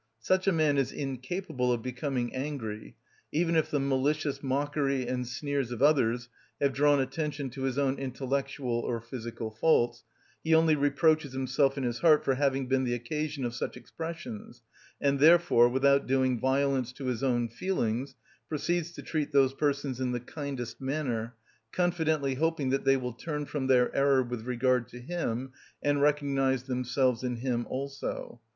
Such a man is incapable of becoming angry; even if the malicious mockery and sneers of others have drawn attention to his own intellectual or physical faults, he only reproaches himself in his heart for having been the occasion of such expressions, and therefore, without doing violence to his own feelings, proceeds to treat those persons in the kindest manner, confidently hoping that they will turn from their error with regard to him, and recognise themselves in him also.